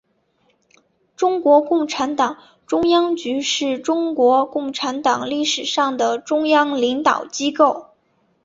中国共产党中央局是中国共产党历史上的中央领导机构。